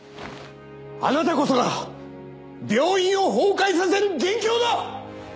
あなたこそが病院を崩壊させる元凶だ！